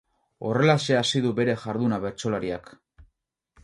Horrelaxe hasi du bere jarduna bertsolariak.